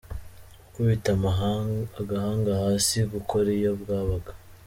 Gukubita agahanga hasi: gukora iyo bwabaga.